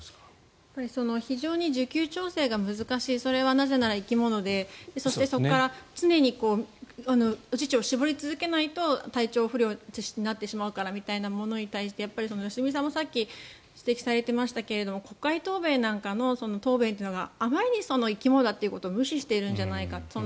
非常に需給調整が難しいそれはなぜなら生き物でそこから常に乳を搾り続けないと体調不良になってしまうからみたいなものに対して良純さんもさっき指摘されてましたが国会答弁なんかの答弁というのがあまりに生き物だということを無視しているんじゃないか。